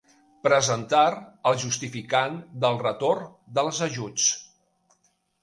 Presentar el justificant del retorn dels ajuts.